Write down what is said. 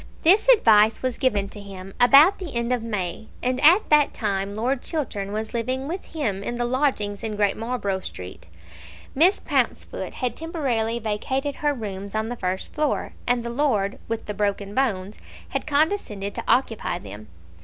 This advice was given to him about the end of May, and at that time Lord Chiltern was living with him in the lodgings in Great Marlborough Street. Miss Pouncefoot had temporarily vacated her rooms on the first floor, and the Lord with the broken bones had condescended to occupy them.